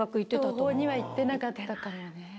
桐朋には行ってなかったかもね。